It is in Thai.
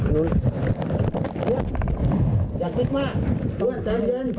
ยืด